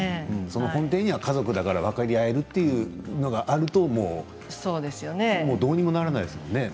その根底に家族だから分かり合えるということがあるとどうにもならないですよね。